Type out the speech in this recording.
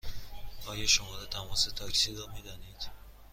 آیا شماره تماس تاکسی را می دانید؟